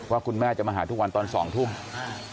คุณแม่จะมาหาทุกวันตอนสองทุ่ม